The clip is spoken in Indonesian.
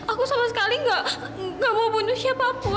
aku sama sekali gak mau bunuh siapapun